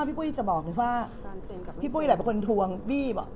พี่ปุ๊ยหลายคนถวงบีบว่า